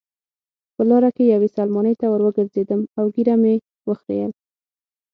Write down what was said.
په لاره کې یوې سلمانۍ ته وروګرځېدم او ږیره مې وخریل.